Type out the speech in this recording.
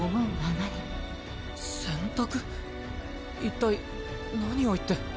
一体何を言って。